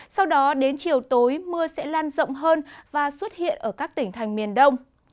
sau đó đến chiều tối mưa sẽ lan rộng hơn và xuất hiện ở các tỉnh thành miền đông